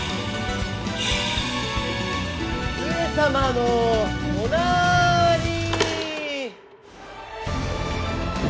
上様のおなーりー！